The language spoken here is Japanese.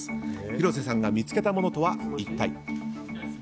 広瀬さんが見つけたものとは一体。